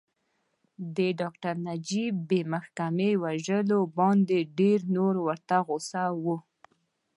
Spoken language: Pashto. د ډاکټر نجیب بې محاکمې وژلو باندې ډېر نور ورته غوسه وو